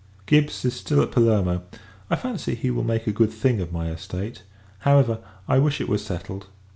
Gibbs is still at Palermo: I fancy, he will make a good thing of my estate; however, I wish it was settled.